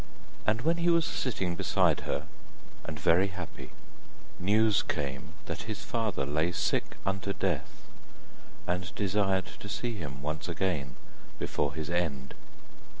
And when he was sitting beside her and very happy, news came that his father lay sick unto death, and desired to see him once again before his end.